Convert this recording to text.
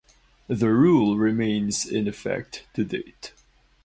The rule remains in effect to date.